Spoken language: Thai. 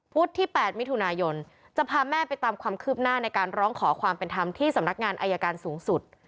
ที่๘มิถุนายนจะพาแม่ไปตามความคืบหน้าในการร้องขอความเป็นธรรมที่สำนักงานอายการสูงสุด